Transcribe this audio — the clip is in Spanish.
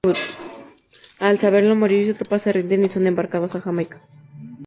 Al saberlo, Morillo y su tropa se rinden y son embarcados a Jamaica.